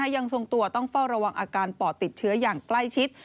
ยังทรงตัวต้องเฝ้าระวังอาการปอดติดเชื้ออย่างใกล้ชิด